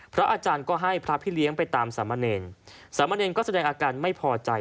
พระอาจารย์ก็ให้พระพี่เลี้ยงไปตามสามะเนรสามเณรก็แสดงอาการไม่พอใจ